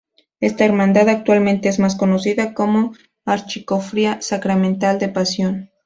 Esta hermandad actualmente es más conocida como Archicofradía Sacramental de Pasión.